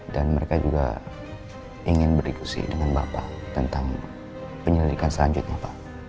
dan mereka juga ingin berdikusi dengan bapak tentang penyelidikan selanjutnya pak